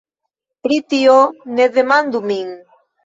pri tio ne demandu min!